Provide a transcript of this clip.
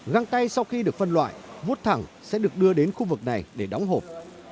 găng tay sau khi được phân loại vuốt thẳng sẽ được đưa đến khu vực này để đóng hộp